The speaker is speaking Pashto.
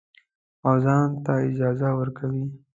او ځان ته اجازه ورکوي.